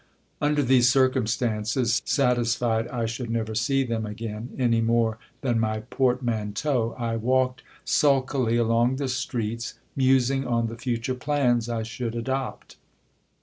Under these circumstances, satisfied I should never see them again, any more than my portmanteau, I walked sulkily along the streets, musing on the future plans I should adopt.